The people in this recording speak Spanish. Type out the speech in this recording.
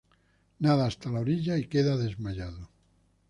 Nada hasta la orilla y queda desmayado.